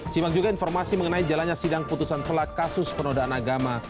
simak juga informasi mengenai jalannya sidang putusan selat kasus penodaan agama